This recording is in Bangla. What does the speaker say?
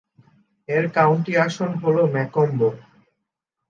এর কাউন্টি আসন হল ম্যাকম্ব।